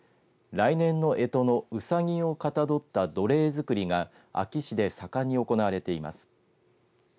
来年のえとのうさぎをかたどった土鈴作りが安芸市で盛んに行われています。